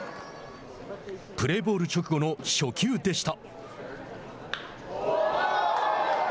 プレーボール直後の初球でした。